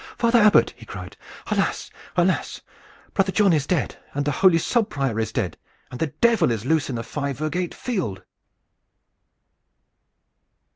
"Father Abbot!" he cried. "Alas, alas! Brother John is dead, and the holy subprior is dead, and the Devil is loose in the five virgate field!"